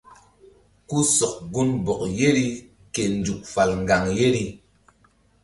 Ku sɔk gunbɔk yeri ke nzuk fal ŋgaŋ yeri.